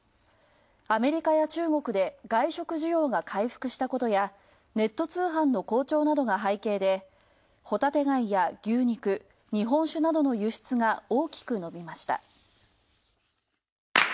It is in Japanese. アメリカや中国で外食需要が回復したことや、ネット通販の好調などが背景でほたて貝や牛肉、日本酒などの輸出が大きく伸びました。